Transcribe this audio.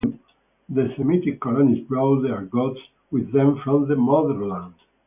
The Semitic colonists brought their gods with them from the motherland.